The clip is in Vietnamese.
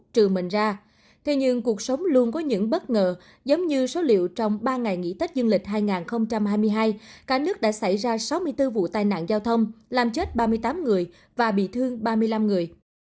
trừ mình ra thế nhưng cuộc sống luôn có những bất ngờ giống như số liệu trong ba ngày nghỉ tết dương lịch hai nghìn hai mươi hai cả nước đã xảy ra sáu mươi bốn vụ tai nạn giao thông làm chết ba mươi tám người và bị thương ba mươi năm người